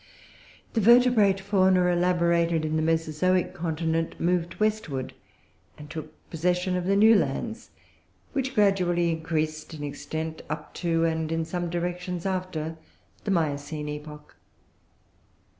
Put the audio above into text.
The Vertebrate fauna elaborated in the Mesozoic continent moved westward and took possession of the new lands, which gradually increased in extent up to, and in some directions after, the Miocene epoch.